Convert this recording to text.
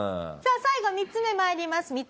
さあ最後３つ目参ります。